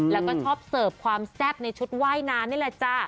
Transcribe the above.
แล้วก็ชอบเสิร์ฟความแซ่บในชุดว่ายน้ำนี่แหละจ้ะ